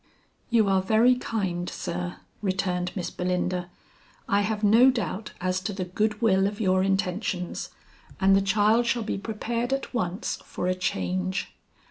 "You are very kind, sir," returned Miss Belinda. "I have no doubt as to the good will of your intentions, and the child shall be prepared at once for a change."